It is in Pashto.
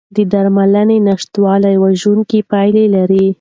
د درملنې نشتوالی وژونکي پایلې لري.